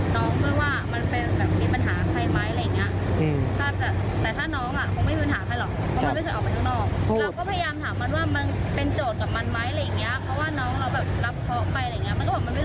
จุดบริเวณลานคนเมืองนี้มันเป็นแหล่งมั่วสุ่มเยอะไหม